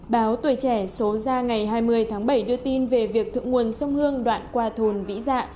báo tuổi trẻ số ra ngày hai mươi tháng bảy đưa tin về việc thượng nguồn sông hương đoạn qua thôn vĩ dạ